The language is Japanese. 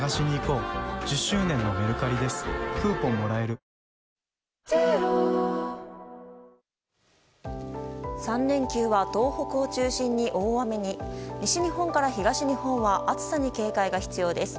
最高の渇きにＤＲＹ３連休は東北を中心に大雨に西日本から東日本は暑さに警戒が必要です。